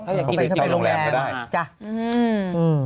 เขาอยากกินกลงแรมก็ได้จ้ะอืม